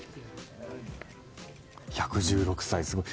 １１６歳、すごい。